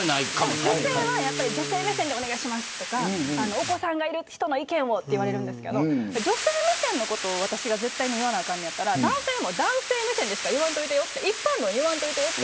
女性は女性目線でお願いしますとかお子さんがいる人の意見をと言われるんですが女性目線のことを私が絶対に言わなあかんねやったら男性も男性目線でしか言わんといてよと。